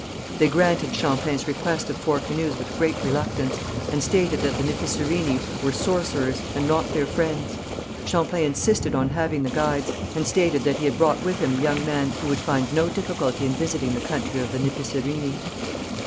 They granted Champlain's request of four canoes with great reluctance, and stated that the Nipissirini were sorcerers, and not their friends. Champlain insisted on having the guides, and stated that he had brought with him a young man who would find no difficulty in visiting the country of the Nipissirini.